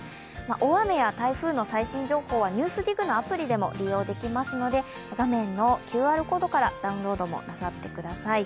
大雨や台風の最新情報は「ＮＥＷＳＤＩＧ」のアプリでも利用できますので画面のＱＲコードからダウンロードもなさってください。